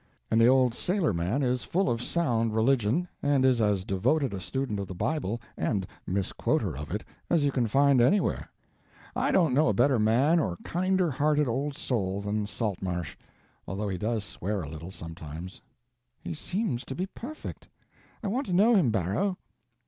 And the old sailor man is full of sound religion, and is as devoted a student of the Bible and misquoter of it as you can find anywhere. I don't know a better man or kinder hearted old soul than Saltmarsh, although he does swear a little, sometimes." "He seems to be perfect. I want to know him, Barrow."